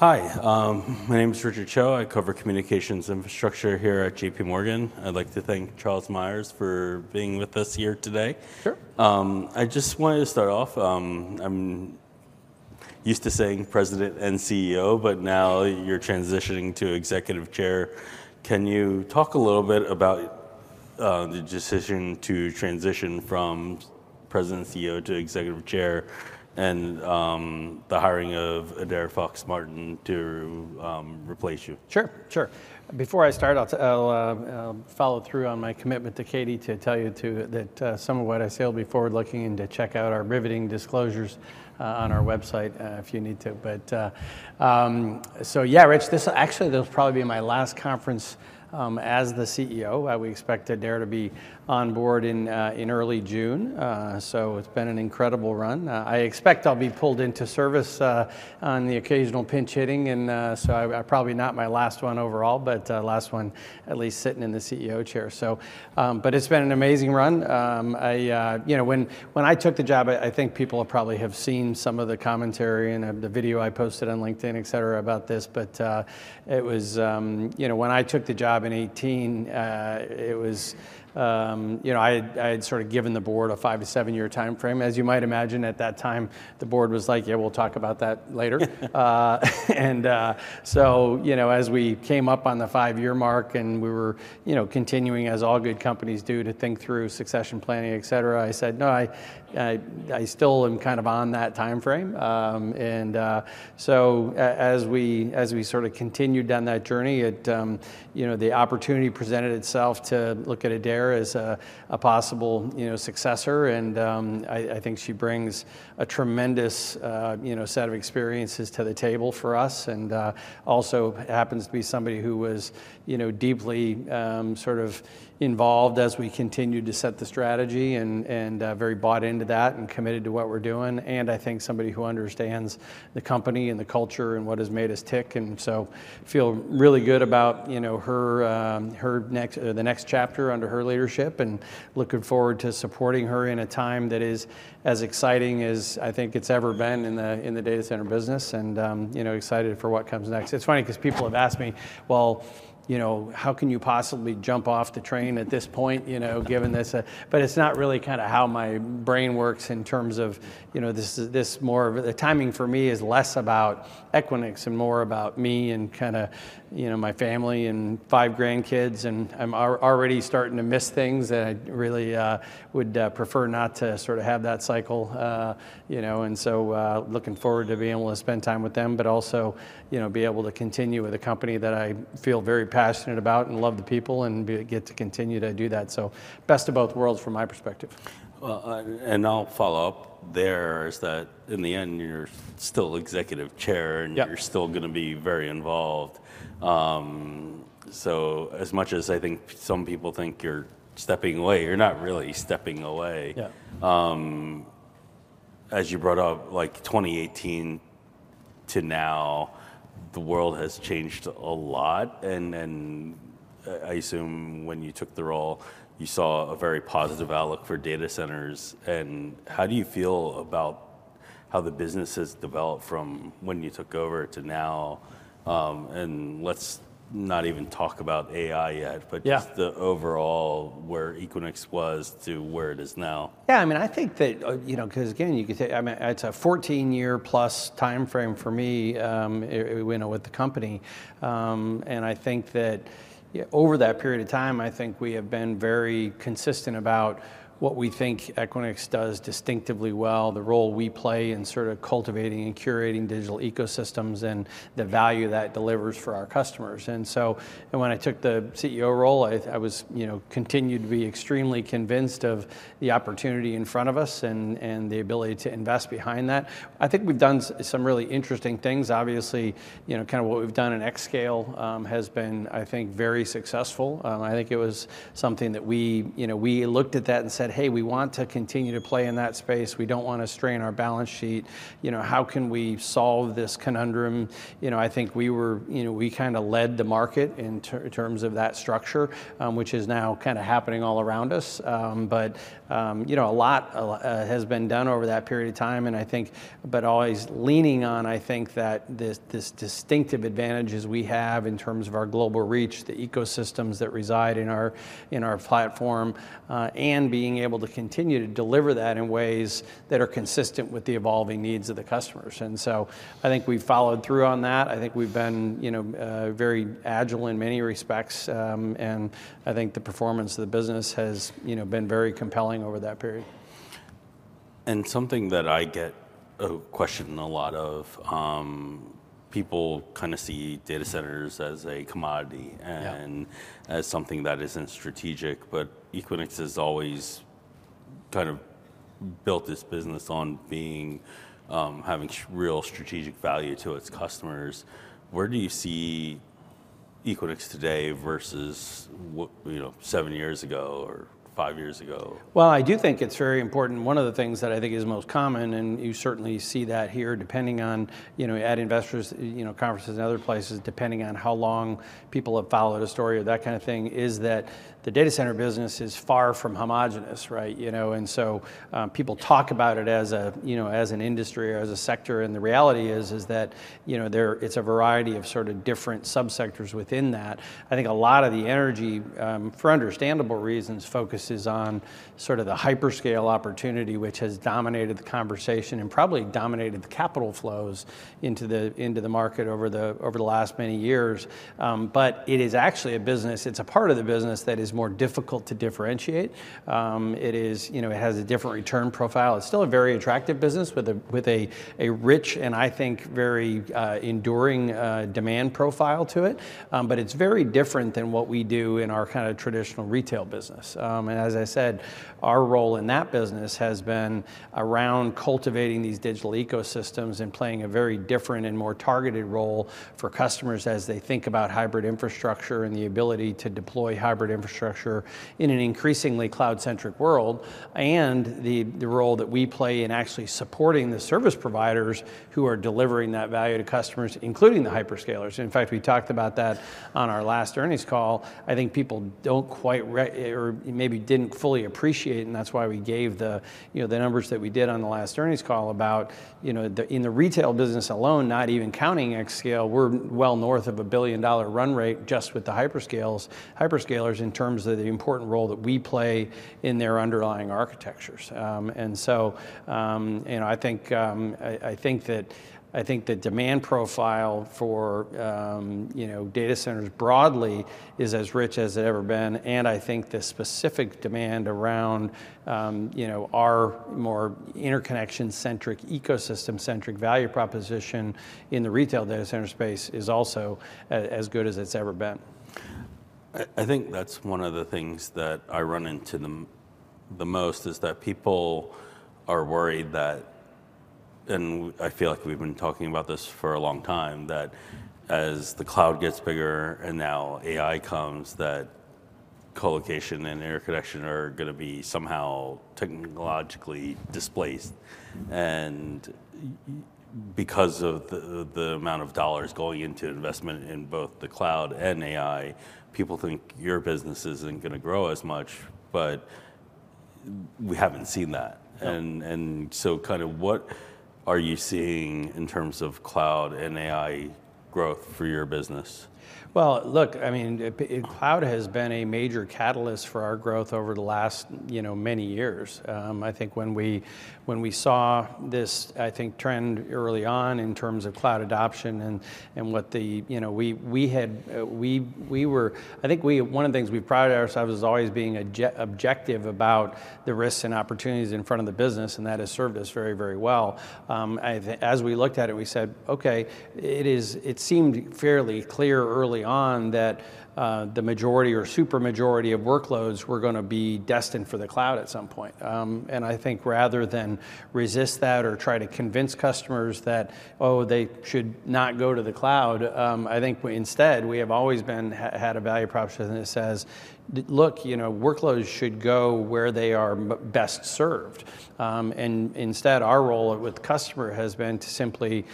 Hi, my name is Richard Choe. I cover communications infrastructure here at J.P. Morgan. I'd like to thank Charles Meyers for being with us here today. Sure. I just wanted to start off, I'm used to saying President and CEO, but now you're transitioning to Executive Chair. Can you talk a little bit about the decision to transition from President and CEO to Executive Chair and the hiring of Adair Fox-Martin to replace you? Sure, sure. Before I start, I'll follow through on my commitment to Katie to tell you, too, that some of what I say will be forward-looking, and to check out our riveting disclosures on our website if you need to. But so yeah, Rich, actually this will probably be my last conference as the CEO. We expect Adair to be on board in early June. So it's been an incredible run. I expect I'll be pulled into service on the occasional pinch hitting, and so probably not my last one overall, but last one at least sitting in the CEO chair. So but it's been an amazing run. I, you know, when I took the job, I think people will probably have seen some of the commentary and the video I posted on LinkedIn, et cetera, about this. But, it was, you know, when I took the job in 2018, it was, you know, I had sort of given the board a 5- to 7-year timeframe. As you might imagine, at that time, the board was like: "Yeah, we'll talk about that later." And so, you know, as we came up on the five-year mark, and we were, you know, continuing, as all good companies do, to think through succession planning, et cetera, I said, "No, I still am kind of on that timeframe." And so as we sort of continued down that journey, it, you know, the opportunity presented itself to look at Adair as a possible, you know, successor. And I think she brings a tremendous, you know, set of experiences to the table for us, and also happens to be somebody who was, you know, deeply, sort of involved as we continued to set the strategy, and very bought into that and committed to what we're doing, and I think somebody who understands the company and the culture and what has made us tick. And so feel really good about, you know, her, her next, the next chapter under her leadership, and looking forward to supporting her in a time that is as exciting as I think it's ever been in the data center business, and, you know, excited for what comes next. It's funny because people have asked me, "Well, you know, how can you possibly jump off the train at this point, you know, given this?" But it's not really kind of how my brain works in terms of, you know, this more of the timing for me is less about Equinix and more about me and kind of, you know, my family and 5 grandkids, and I'm already starting to miss things, and I really would prefer not to sort of have that cycle, you know. And so, looking forward to being able to spend time with them, but also, you know, be able to continue with a company that I feel very passionate about and love the people and get to continue to do that. So best of both worlds from my perspective. Well, and I'll follow up there, is that in the end, you're still Executive Chair- Yeah and you're still gonna be very involved. So as much as I think some people think you're stepping away, you're not really stepping away. Yeah. As you brought up, like, 2018 to now, the world has changed a lot, and then, I assume when you took the role, you saw a very positive outlook for data centers. And how do you feel about how the business has developed from when you took over to now? And let's not even talk about AI yet. Yeah but just the overall, where Equinix was to where it is now. Yeah, I mean, I think that, you know, 'cause again, you could say, I mean, it's a 14-year-plus timeframe for me, you know, with the company. And I think that, over that period of time, I think we have been very consistent about what we think Equinix does distinctively well, the role we play in sort of cultivating and curating digital ecosystems, and the value that delivers for our customers. And so, when I took the CEO role, I was, you know, continued to be extremely convinced of the opportunity in front of us and the ability to invest behind that. I think we've done some really interesting things. Obviously, you know, kind of what we've done in has been, I think, very successful. I think it was something that we, you know, we looked at that and said, "Hey, we want to continue to play in that space. We don't want to strain our balance sheet. You know, how can we solve this conundrum?" You know, I think we were. You know, we kinda led the market in terms of that structure, which is now kind of happening all around us. But, you know, a lot has been done over that period of time, and I think, but always leaning on, I think that this distinctive advantages we have in terms of our global reach, the ecosystems that reside in our, in our platform, and being able to continue to deliver that in ways that are consistent with the evolving needs of the customers. And so I think we've followed through on that. I think we've been, you know, very agile in many respects, and I think the performance of the business has, you know, been very compelling over that period. Something that I get questioned a lot of, people kinda see data centers as a commodity- Yeah and as something that isn't strategic. But Equinix has always kind of built its business on being, having real strategic value to its customers. Where do you see Equinix today versus what, you know, seven years ago or five years ago? Well, I do think it's very important. One of the things that I think is most common, and you certainly see that here, depending on, you know, at investors, you know, conferences and other places, depending on how long people have followed a story or that kind of thing, is that the data center business is far from homogeneous, right? You know, and so, people talk about it as a, you know, as an industry or as a sector, and the reality is, is that, you know, it's a variety of sort of different subsectors within that. I think a lot of the energy, for understandable reasons, focuses on sort of the hyperscale opportunity, which has dominated the conversation and probably dominated the capital flows into the market over the last many years. But it is actually a business. It's a part of the business that is more difficult to differentiate. It is, you know, it has a different return profile. It's still a very attractive business with a rich, and I think, very, enduring, demand profile to it. But it's very different than what we do in our kind of traditional retail business. And as I said, our role in that business has been around cultivating these digital ecosystems and playing a very different and more targeted role for customers as they think about hybrid infrastructure and the ability to deploy hybrid infrastructure in an increasingly cloud-centric world, and the role that we play in actually supporting the service providers who are delivering that value to customers, including the hyperscalers. In fact, we talked about that on our last earnings call. I think people don't quite realize or maybe didn't fully appreciate, and that's why we gave the, you know, the numbers that we did on the last earnings call about, you know, the, in the retail business alone, not even counting xScale, we're well north of a billion-dollar run rate just with the hyperscalers, in terms of the important role that we play in their underlying architectures. And so, you know, I think that I think the demand profile for, you know, data centers broadly is as rich as it's ever been, and I think the specific demand around, you know, our more interconnection-centric, ecosystem-centric value proposition in the retail data center space is also as good as it's ever been. I think that's one of the things that I run into the most, is that people are worried that... And I feel like we've been talking about this for a long time, that as the cloud gets bigger and now AI comes, that colocation and interconnection are gonna be somehow technologically displaced. And because of the amount of dollars going into investment in both the cloud and AI, people think your business isn't gonna grow as much, but we haven't seen that. No. So kind of what are you seeing in terms of cloud and AI growth for your business? Well, look, I mean, cloud has been a major catalyst for our growth over the last, you know, many years. I think when we saw this trend early on in terms of cloud adoption and what the ,you know, we had, we were, I think one of the things we prided ourselves as always being objective about the risks and opportunities in front of the business, and that has served us very, very well. I, as we looked at it, we said, "Okay," it seemed fairly clear early on that the majority or super majority of workloads were gonna be destined for the cloud at some point. I think rather than resist that or try to convince customers that, oh, they should not go to the cloud, I think instead, we have always had a value proposition that says, "Look, you know, workloads should go where they are best served." And instead, our role with the customer has been to simply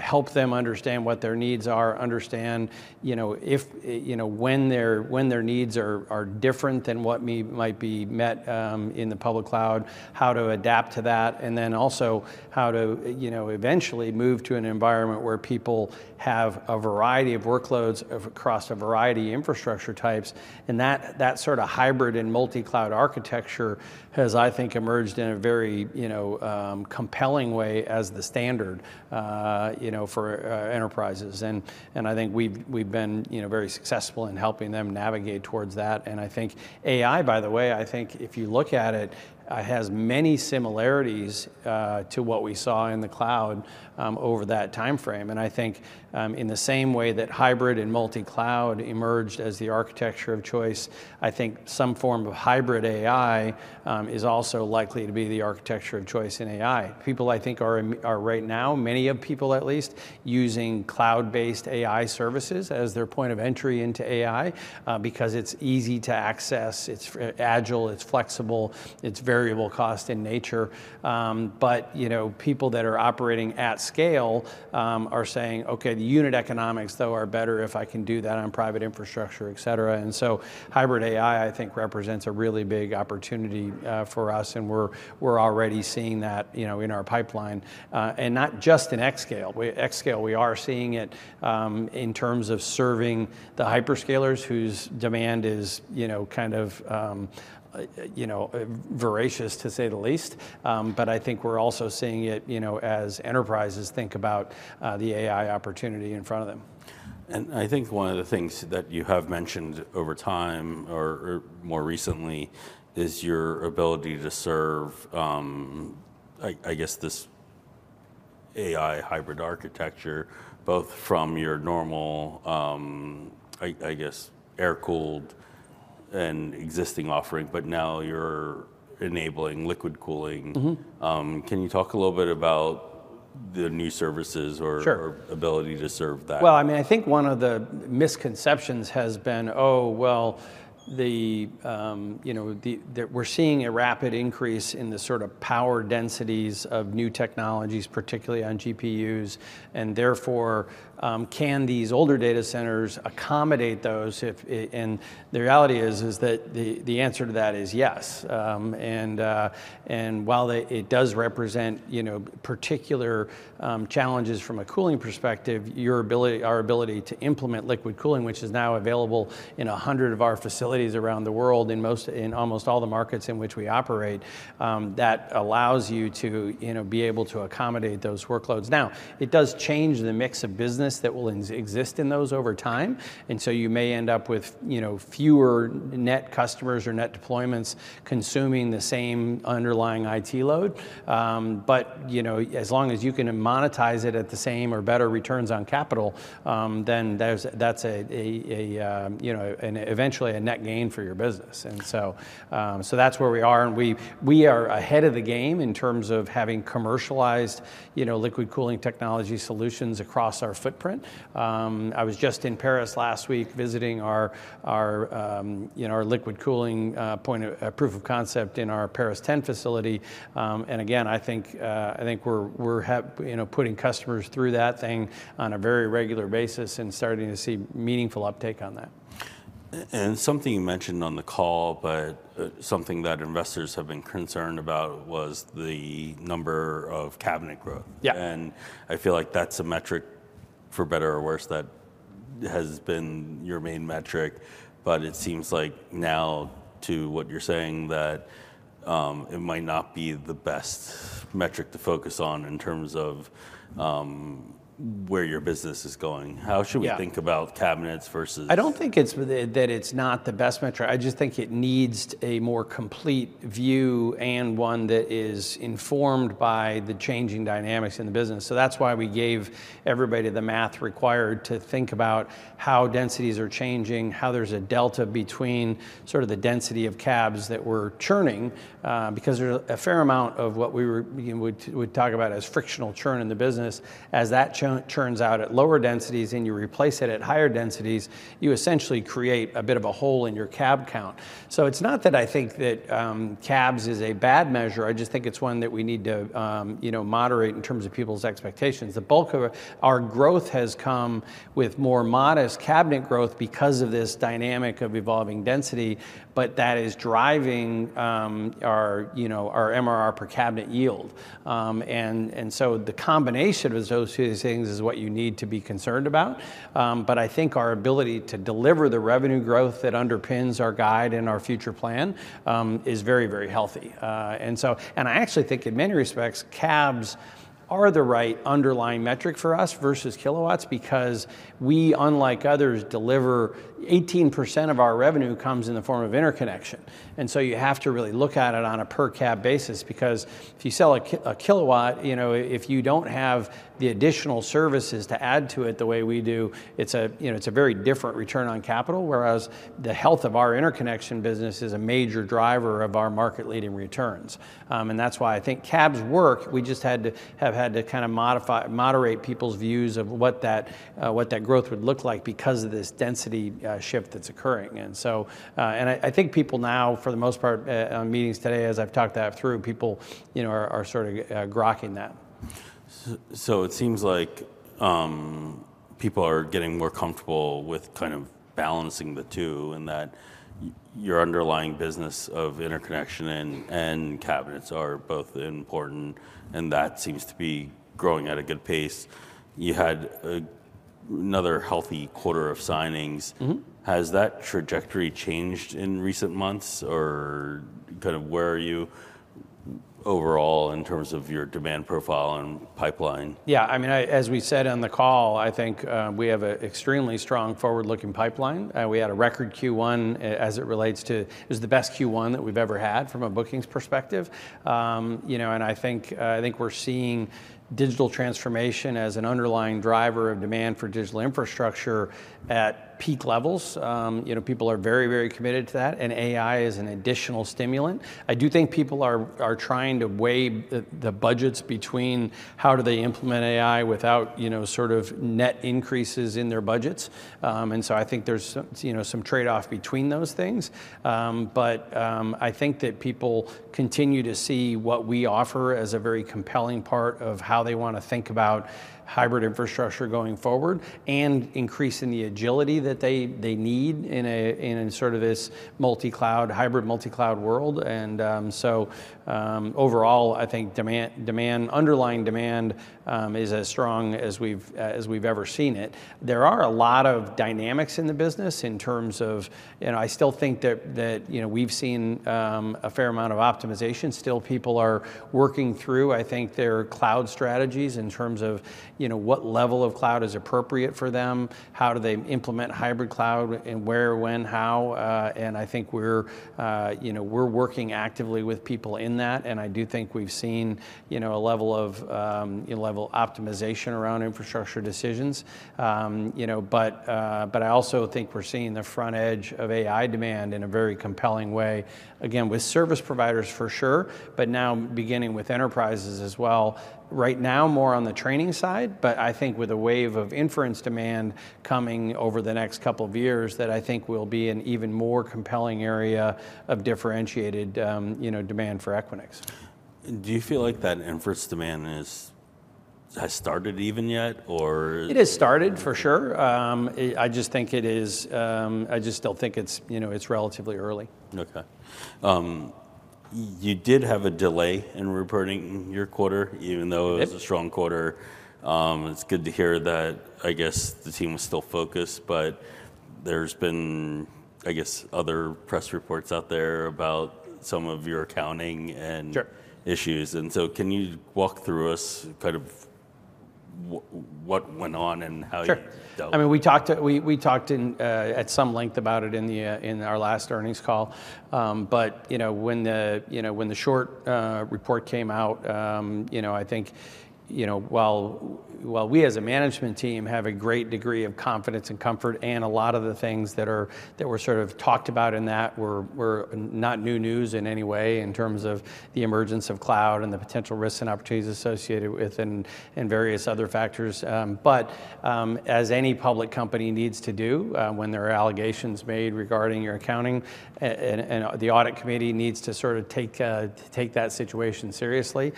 help them understand what their needs are, understand, you know, if, you know, when their needs are different than what might be met in the public cloud, how to adapt to that, and then also how to, you know, eventually move to an environment where people have a variety of workloads across a variety of infrastructure types. And that sort of hybrid and multi-cloud architecture has, I think, emerged in a very, you know, compelling way as the standard, you know, for enterprises. And I think we've been, you know, very successful in helping them navigate towards that. And I think AI, by the way, I think if you look at it, has many similarities to what we saw in the cloud over that timeframe. And I think, in the same way that hybrid and multi-cloud emerged as the architecture of choice, I think some form of hybrid AI is also likely to be the architecture of choice in AI. People, I think, are right now, many people at least, using cloud-based AI services as their point of entry into AI, because it's easy to access, it's agile, it's flexible, it's variable cost in nature. But, you know, people that are operating at scale, are saying, "Okay, the unit economics, though, are better if I can do that on private infrastructure," et cetera. And so hybrid AI, I think, represents a really big opportunity, for us, and we're already seeing that, you know, in our pipeline, and not just in xScale. xScale, we are seeing it, in terms of serving the hyperscalers whose demand is, you know, kind of, you know, voracious, to say the least. But I think we're also seeing it, you know, as enterprises think about the AI opportunity in front of them. I think one of the things that you have mentioned over time, or more recently, is your ability to serve, I guess, this AI hybrid architecture, both from your normal, I guess, air-cooled and existing offering, but now you're enabling liquid cooling. Mm-hmm. Can you talk a little bit about the new services or? Sure. or ability to serve that? Well, I mean, I think one of the misconceptions has been, oh, well, the, you know, the, the-- we're seeing a rapid increase in the sort of power densities of new technologies, particularly on GPUs, and therefore, can these older data centers accommodate those, and the reality is that the answer to that is yes. And while they-- it does represent, you know, particular challenges from a cooling perspective, our ability to implement liquid cooling, which is now available in 100 of our facilities around the world, in most, in almost all the markets in which we operate, that allows you to, you know, be able to accommodate those workloads. Now, it does change the mix of business that will exist in those over time, and so you may end up with, you know, fewer net customers or net deployments consuming the same underlying IT load. But, you know, as long as you can monetize it at the same or better returns on capital, then that's a, you know, an eventual net gain for your business. And so, that's where we are, and we are ahead of the game in terms of having commercialized, you know, liquid cooling technology solutions across our footprint. I was just in Paris last week visiting our, you know, our liquid cooling point of proof of concept in our Paris TEN facility. And again, I think we're having, you know, putting customers through that thing on a very regular basis and starting to see meaningful uptake on that. And something you mentioned on the call, but something that investors have been concerned about was the number of cabinet growth. Yeah. I feel like that's a metric, for better or worse, that has been your main metric, but it seems like now, to what you're saying, that, it might not be the best metric to focus on in terms of, where your business is going. Yeah. How should we think about cabinets versus- I don't think it's that it's not the best metric. I just think it needs a more complete view and one that is informed by the changing dynamics in the business. So that's why we gave everybody the math required to think about how densities are changing, how there's a delta between sort of the density of cabs that we're churning. Because there's a fair amount of what we were, you know, we'd talk about as frictional churn in the business. As that churns out at lower densities and you replace it at higher densities, you essentially create a bit of a hole in your cab count. So it's not that I think that cabs is a bad measure, I just think it's one that we need to, you know, moderate in terms of people's expectations. The bulk of our growth has come with more modest cabinet growth because of this dynamic of evolving density, but that is driving our, you know, our MRR per cabinet yield. And so the combination of those two things is what you need to be concerned about. But I think our ability to deliver the revenue growth that underpins our guide and our future plan is very, very healthy. And so and I actually think in many respects, cabs are the right underlying metric for us versus kilowatts, because we, unlike others, deliver... 18% of our revenue comes in the form of interconnection, and so you have to really look at it on a per cab basis, because if you sell a kilowatt, you know, if you don't have the additional services to add to it the way we do, it's a, you know, it's a very different return on capital, whereas the health of our interconnection business is a major driver of our market-leading returns. And that's why I think cabs work. We just had to, have had to kind of modify, moderate people's views of what that, what that growth would look like because of this density shift that's occurring. And so, and I, I think people now, for the most part, in meetings today, as I've talked that through, people, you know, are, are sort of, grokking that. So it seems like people are getting more comfortable with kind of balancing the two, and that your underlying business of interconnection and cabinets are both important, and that seems to be growing at a good pace. You had another healthy quarter of signings. Mm-hmm. Has that trajectory changed in recent months, or kind of where are you overall in terms of your demand profile and pipeline? Yeah, I mean, as we said on the call, I think we have an extremely strong forward-looking pipeline. We had a record Q1 as it relates to. It's the best Q1 that we've ever had from a bookings perspective. You know, and I think we're seeing digital transformation as an underlying driver of demand for digital infrastructure at peak levels. You know, people are very, very committed to that, and AI is an additional stimulant. I do think people are trying to weigh the budgets between how do they implement AI without, you know, sort of net increases in their budgets. And so I think there's some, you know, some trade-off between those things. But, I think that people continue to see what we offer as a very compelling part of how they want to think about hybrid infrastructure going forward and increasing the agility that they need in a sort of this multi-cloud, hybrid multi-cloud world. And, so, overall, I think demand, underlying demand, is as strong as we've ever seen it. There are a lot of dynamics in the business in terms of... You know, I still think that, you know, we've seen a fair amount of optimization. Still, people are working through, I think, their cloud strategies in terms of, you know, what level of cloud is appropriate for them, how do they implement hybrid cloud, and where, when, how? And I think we're, you know, we're working actively with people in that, and I do think we've seen, you know, a level of, a level of optimization around infrastructure decisions. You know, but, but I also think we're seeing the front edge of AI demand in a very compelling way. Again, with service providers, for sure, but now beginning with enterprises as well. Right now, more on the training side, but I think with a wave of inference demand coming over the next couple of years, that I think will be an even more compelling area of differentiated, you know, demand for Equinix. Do you feel like that inference demand has started even yet, or? It has started, for sure. I just think it is, I just still think it's, you know, it's relatively early. Okay. You did have a delay in reporting your quarter, even though- Yep. It was a strong quarter. It's good to hear that, I guess, the team was still focused, but there's been, I guess, other press reports out there about some of your accounting and- Sure. issues. And so can you walk through us kind of what went on and how you- Sure. - dealt with it? I mean, we talked at, we talked in at some length about it in our last earnings call. But, you know, when the, you know, when the short report came out, you know, I think, you know, while we as a management team have a great degree of confidence and comfort, and a lot of the things that were sort of talked about in that were not new news in any way in terms of the emergence of cloud and the potential risks and opportunities associated with and various other factors. But, as any public company needs to do, when there are allegations made regarding your accounting, and the audit committee needs to sort of take that situation seriously,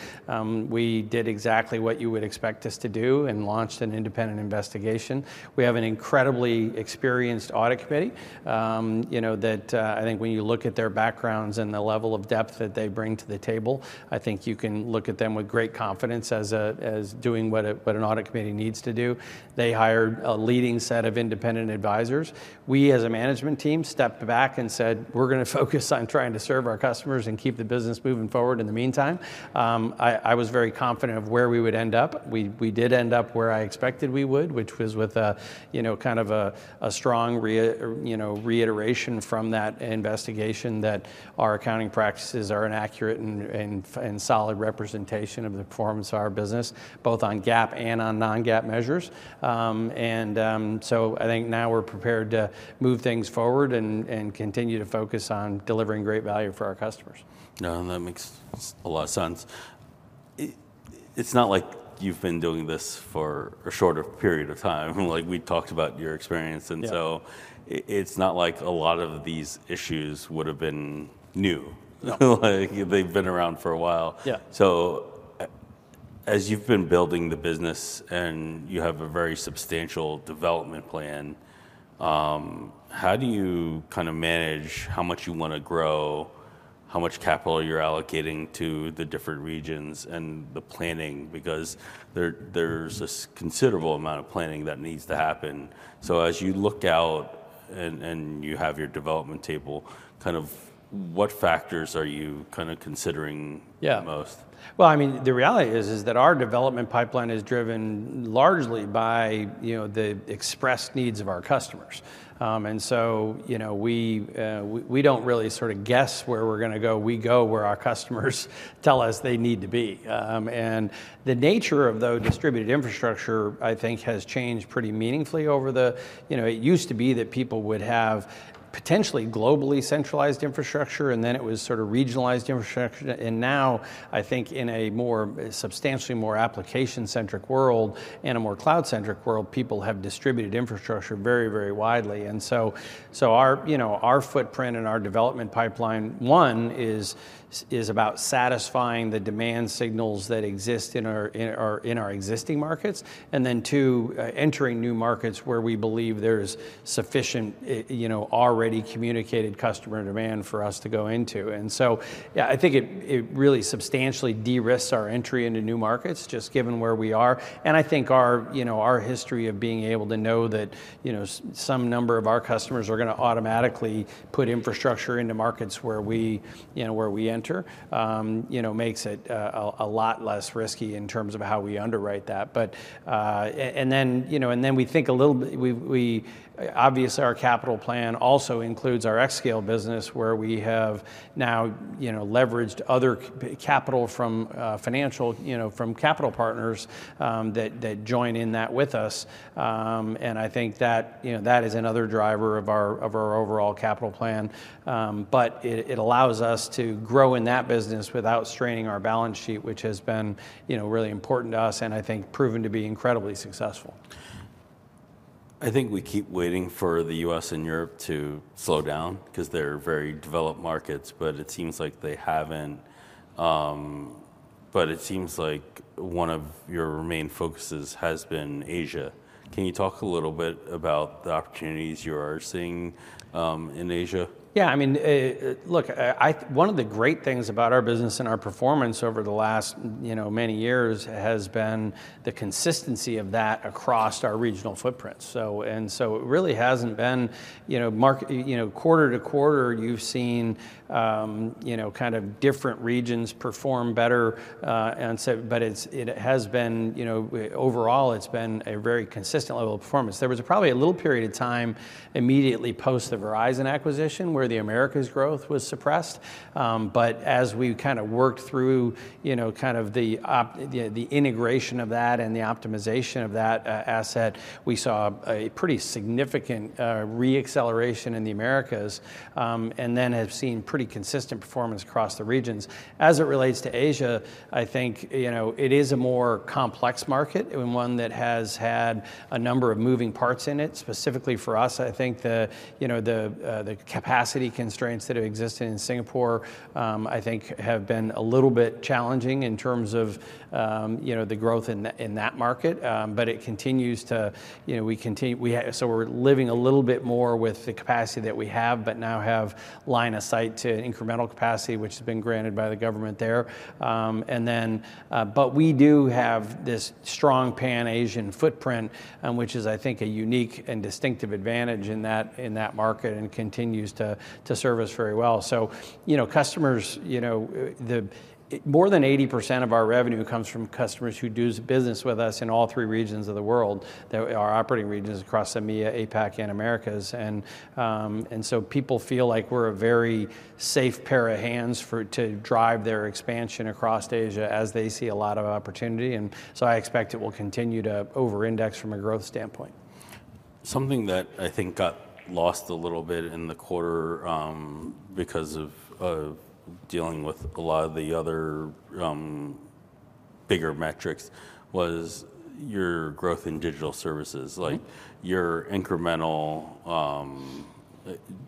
we did exactly what you would expect us to do and launched an independent investigation. We have an incredibly experienced audit committee, you know, that I think when you look at their backgrounds and the level of depth that they bring to the table, I think you can look at them with great confidence as doing what an audit committee needs to do. They hired a leading set of independent advisors. We, as a management team, stepped back and said: "We're gonna focus on trying to serve our customers and keep the business moving forward in the meantime." I was very confident of where we would end up. We did end up where I expected we would, which was with a, you know, kind of a strong reiteration from that investigation that our accounting practices are an accurate and solid representation of the performance of our business, both on GAAP and on non-GAAP measures. So I think now we're prepared to move things forward and continue to focus on delivering great value for our customers. No, that makes a lot of sense. It's not like you've been doing this for a shorter period of time. Like, we talked about your experience, and so- Yeah. It's not like a lot of these issues would've been new. No. Like, they've been around for a while. Yeah. So as you've been building the business and you have a very substantial development plan, how do you kind of manage how much you want to grow, how much capital you're allocating to the different regions, and the planning? Because there, there's a considerable amount of planning that needs to happen. So as you look out and you have your development table, kind of what factors are you kind of considering- Yeah. - the most? Well, I mean, the reality is that our development pipeline is driven largely by, you know, the expressed needs of our customers. And so, you know, we don't really sort of guess where we're gonna go. We go where our customers tell us they need to be. And the nature of the distributed infrastructure, I think, has changed pretty meaningfully over the you know, it used to be that people would have potentially globally centralized infrastructure, and then it was sort of regionalized infrastructure. And now, I think, in a substantially more application-centric world and a more cloud-centric world, people have distributed infrastructure very, very widely. Our footprint and our development pipeline, one, is about satisfying the demand signals that exist in our existing markets, and then, two, entering new markets where we believe there is sufficient, you know, already communicated customer demand for us to go into. Yeah, I think it really substantially de-risks our entry into new markets, just given where we are. I think our, you know, our history of being able to know that, you know, some number of our customers are gonna automatically put infrastructure into markets where we, you know, where we enter, you know, makes it a lot less risky in terms of how we underwrite that. But, and then, you know, and then we think a little bit... We obviously, our capital plan also includes our xScale business, where we have now, you know, leveraged other capital from financial, you know, from capital partners that join in that with us. And I think that, you know, that is another driver of our overall capital plan. But it allows us to grow in that business without straining our balance sheet, which has been, you know, really important to us, and I think proven to be incredibly successful. I think we keep waiting for the U.S. and Europe to slow down because they're very developed markets, but it seems like they haven't. It seems like one of your main focuses has been Asia. Can you talk a little bit about the opportunities you are seeing in Asia? Yeah, I mean, look, one of the great things about our business and our performance over the last, you know, many years has been the consistency of that across our regional footprint. So it really hasn't been, you know, from quarter to quarter, you've seen, you know, kind of different regions perform better, and so but it has been, you know, overall, it's been a very consistent level of performance. There was probably a little period of time immediately post the Verizon acquisition, where the Americas growth was suppressed. But as we kind of worked through, you know, kind of the integration of that and the optimization of that asset, we saw a pretty significant re-acceleration in the Americas, and then have seen pretty consistent performance across the regions. As it relates to Asia, I think, you know, it is a more complex market and one that has had a number of moving parts in it. Specifically for us, I think the, you know, the capacity constraints that have existed in Singapore, I think have been a little bit challenging in terms of, you know, the growth in that, in that market. But it continues to, you know, so we're living a little bit more with the capacity that we have, but now have line of sight to incremental capacity, which has been granted by the government there. And then, but we do have this strong Pan-Asian footprint, which is, I think, a unique and distinctive advantage in that, in that market and continues to, to serve us very well. So, you know, customers, you know, more than 80% of our revenue comes from customers who do business with us in all three regions of the world, that our operating regions across EMEA, APAC, and Americas. And so people feel like we're a very safe pair of hands to drive their expansion across Asia as they see a lot of opportunity, and so I expect it will continue to overindex from a growth standpoint. Something that I think got lost a little bit in the quarter, because of dealing with a lot of the other bigger metrics, was your growth in digital services. Mm-hmm. Like, your incremental,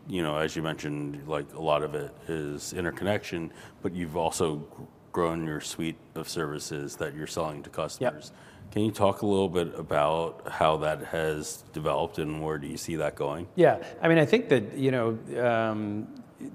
you know, as you mentioned, like, a lot of it is interconnection, but you've also grown your suite of services that you're selling to customers. Yeah. Can you talk a little bit about how that has developed, and where do you see that going? Yeah. I mean, I think that, you know,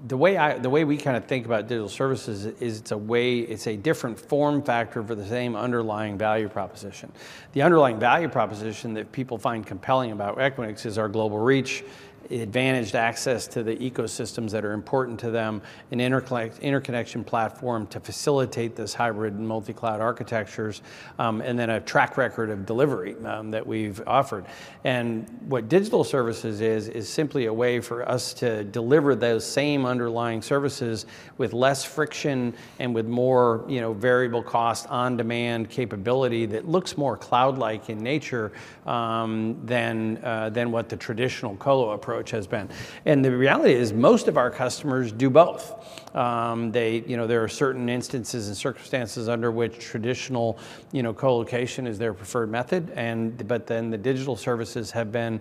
the way we kind of think about digital services is it's a different form factor for the same underlying value proposition. The underlying value proposition that people find compelling about Equinix is our global reach, advantaged access to the ecosystems that are important to them, an interconnection platform to facilitate this hybrid multi-cloud architectures, and then a track record of delivery that we've offered. And what digital services is, is simply a way for us to deliver those same underlying services with less friction and with more, you know, variable cost, on-demand capability that looks more cloud-like in nature than what the traditional colo approach has been. And the reality is, most of our customers do both. You know, there are certain instances and circumstances under which traditional, you know, colocation is their preferred method, and but then the digital services have been,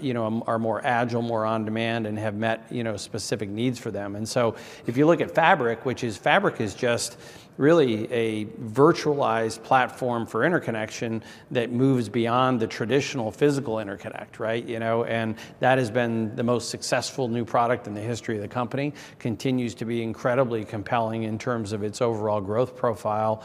you know, are more agile, more on demand, and have met, you know, specific needs for them. And so if you look at Fabric, which is Fabric just really a virtualized platform for interconnection that moves beyond the traditional physical interconnect, right? You know, and that has been the most successful new product in the history of the company, continues to be incredibly compelling in terms of its overall growth profile.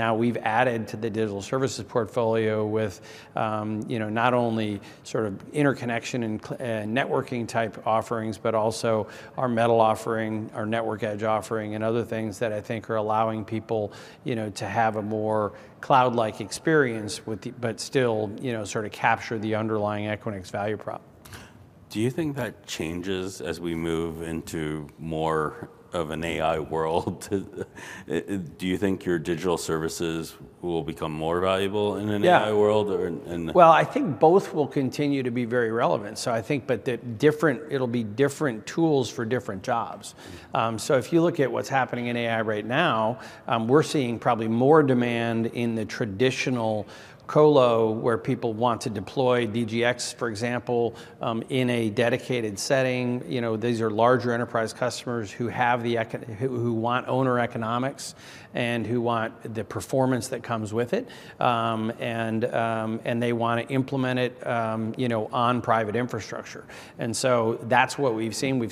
Now we've added to the digital services portfolio with, you know, not only sort of interconnection and networking-type offerings, but also our metal offering, our network edge offering, and other things that I think are allowing people, you know, to have a more cloud-like experience with the... but still, you know, sort of capture the underlying Equinix value prop. Do you think that changes as we move into more of an AI world? Do you think your digital services will become more valuable in an AI world? Yeah or, and- Well, I think both will continue to be very relevant, so I think it'll be different tools for different jobs. Mm-hmm. So if you look at what's happening in AI right now, we're seeing probably more demand in the traditional colo, where people want to deploy DGX, for example, in a dedicated setting. You know, these are larger enterprise customers who want owner economics and who want the performance that comes with it. And they want to implement it, you know, on private infrastructure. And so that's what we've seen. We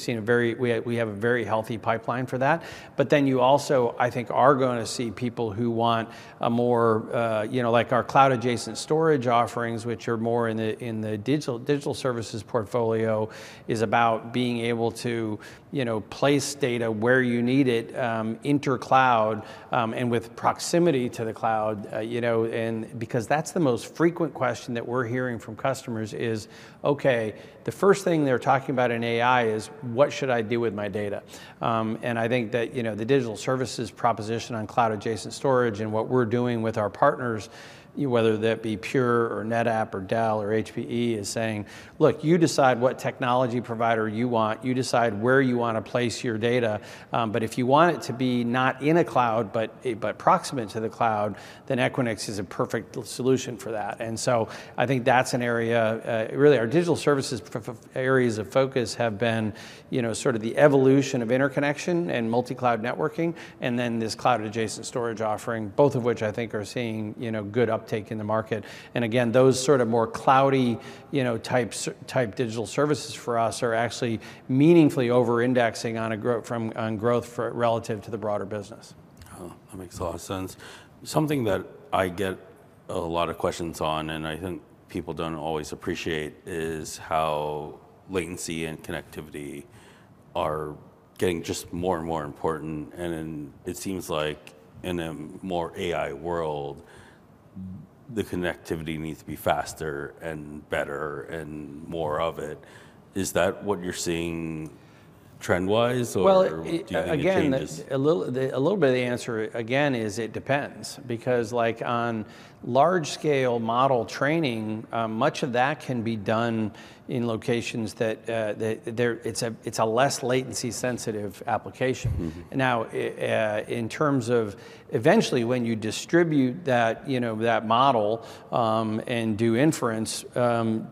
have a very healthy pipeline for that. But then you also, I think, are going to see people who want a more, you know, like our cloud-adjacent storage offerings, which are more in the digital services portfolio, is about being able to, you know, place data where you need it, intercloud, and with proximity to the cloud. You know, and because that's the most frequent question that we're hearing from customers is, okay, the first thing they're talking about in AI is: What should I do with my data? And I think that, you know, the digital services proposition on cloud-adjacent storage and what we're doing with our partners, whether that be Pure or NetApp or Dell or HPE, is saying: Look, you decide what technology provider you want. You decide where you want to place your data. But if you want it to be not in a cloud, but proximate to the cloud, then Equinix is a perfect solution for that. I think that's an area, really our digital services of areas of focus have been, you know, sort of the evolution of interconnection and multi-cloud networking, and then this cloud-adjacent storage offering, both of which I think are seeing, you know, good uptake in the market. And again, those sort of more cloudy, you know, type digital services for us are actually meaningfully overindexing on growth relative to the broader business. Oh, that makes a lot of sense. Something that I get a lot of questions on, and I think people don't always appreciate, is how latency and connectivity are getting just more and more important. And then it seems like in a more AI world, the connectivity needs to be faster and better, and more of it. Is that what you're seeing trend-wise, or- Well, I- Do you think it changes- Again, a little, a little bit of the answer, again, is it depends. Because, like, on large-scale model training, much of that can be done in locations that it's a less latency sensitive application. Mm-hmm. Now, I, in terms of eventually when you distribute that, you know, that model, and do inference,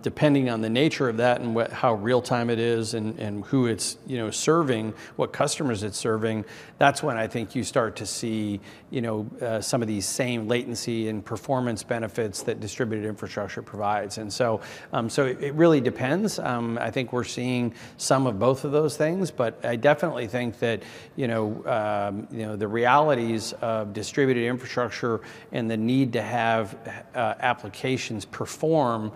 depending on the nature of that and what, how real time it is, and, and who it's, you know, serving, what customers it's serving, that's when I think you start to see, you know, some of these same latency and performance benefits that distributed infrastructure provides. And so, so it, it really depends. I think we're seeing some of both of those things, but I definitely think that, you know, you know, the realities of distributed infrastructure and the need to have a, applications perform,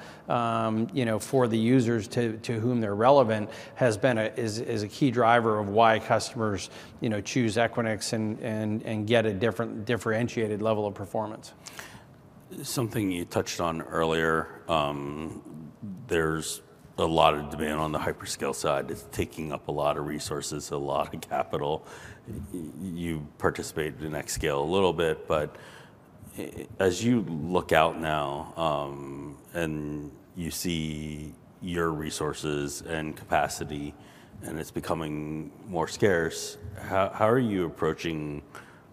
you know, for the users to, to whom they're relevant, has been a, is, is a key driver of why customers, you know, choose Equinix and, and, and get a different differentiated level of performance. Something you touched on earlier, there's a lot of demand on the hyperscale side. It's taking up a lot of resources, a lot of capital. You participate in xScale a little bit, but, as you look out now, and you see your resources and capacity, and it's becoming more scarce, how, how are you approaching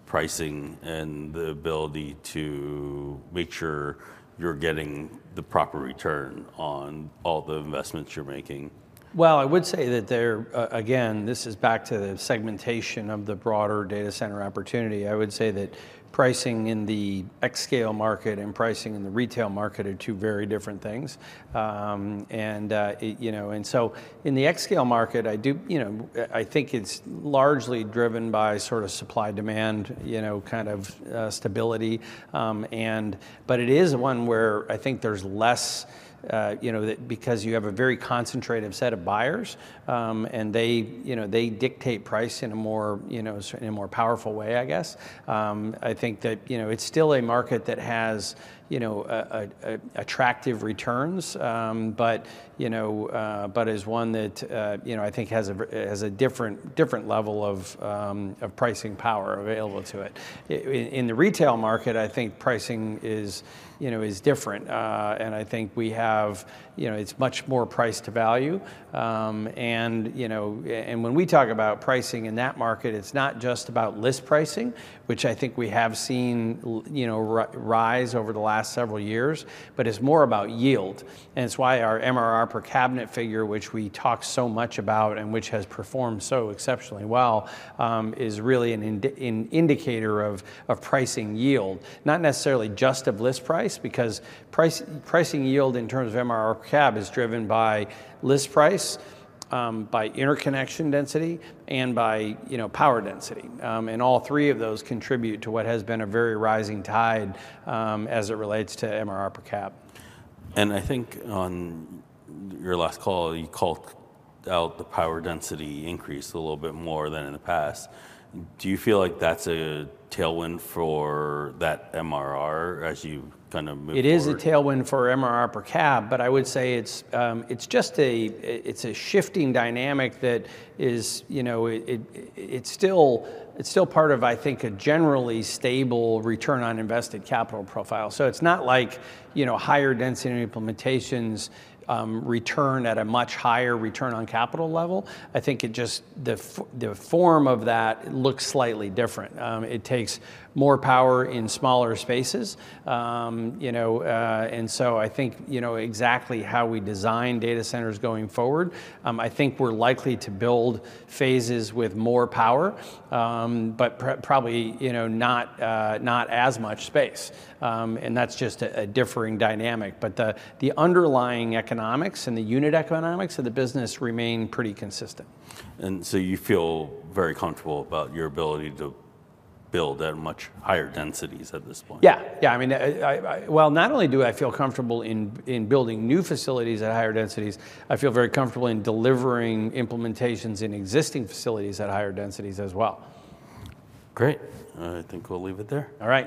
pricing and the ability to make sure you're getting the proper return on all the investments you're making? Well, I would say that there, again, this is back to the segmentation of the broader data center opportunity. I would say that pricing in the xScale market and pricing in the retail market are two very different things. And, it, you know—and so in the xScale market, I do, you know, I think it's largely driven by sort of supply, demand, you know, kind of, stability. And, but it is one where I think there's less, you know, that because you have a very concentrated set of buyers, and they, you know, they dictate price in a more, you know, in a more powerful way, I guess. I think that, you know, it's still a market that has, you know, attractive returns, but, you know, but is one that, you know, I think has a different level of pricing power available to it. In the retail market, I think pricing is, you know, is different. And I think we have, you know, it's much more price to value. And, you know, when we talk about pricing in that market, it's not just about list pricing, which I think we have seen rise over the last several years, but it's more about yield. And it's why our MRR per cabinet figure, which we talk so much about and which has performed so exceptionally well, is really an indicator of pricing yield. Not necessarily just of list price, because pricing yield in terms of MRR per cab is driven by list price, by interconnection density, and by, you know, power density. And all three of those contribute to what has been a very rising tide, as it relates to MRR per cab. I think on your last call, you called out the power density increase a little bit more than in the past. Do you feel like that's a tailwind for that MRR as you kind of move forward? It is a tailwind for MRR per cab, but I would say it's just a shifting dynamic that is, you know, it's still part of, I think, a generally stable return on invested capital profile. So it's not like, you know, higher density implementations return at a much higher return on capital level. I think it just, the form of that looks slightly different. It takes more power in smaller spaces. You know, and so I think, you know, exactly how we design data centers going forward, I think we're likely to build phases with more power, but probably, you know, not as much space. And that's just a differing dynamic. But the underlying economics and the unit economics of the business remain pretty consistent. And so you feel very comfortable about your ability to build at much higher densities at this point? Yeah. Yeah, I mean, Well, not only do I feel comfortable in building new facilities at higher densities, I feel very comfortable in delivering implementations in existing facilities at higher densities as well. Great. I think we'll leave it there. All right.